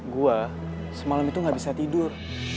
gua semalam itu gak bisa tidur